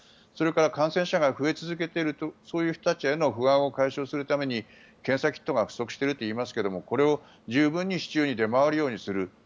それから感染者が増え続けているそういう人たちへの不安を解消するために検査キットが不足しているといいますがこれを十分に市中に出回るようにする。